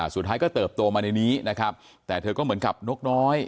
สุดท้ายก็เติบโตมาในนี้นะครับแต่เธอก็เหมือนกับนกน้อย